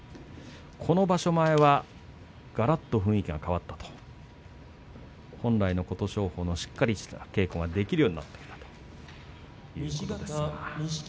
この場所前はがらっと雰囲気が変わったと、本来の琴勝峰のしっかりした稽古ができるようになってきたということです。